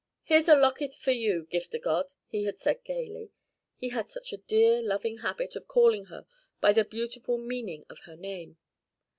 "Here's a locket for you, Gift o' God," he had said gaily he had such a dear loving habit of calling her by the beautiful meaning of her name.